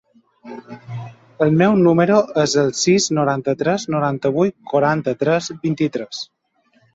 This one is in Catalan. El meu número es el sis, noranta-tres, noranta-vuit, quaranta-tres, vint-i-tres.